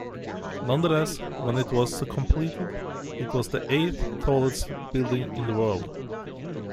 Nonetheless, when it was completed, it was the eighth tallest building in the world.